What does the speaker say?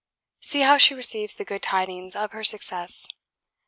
See how she receives the good tidings of her success!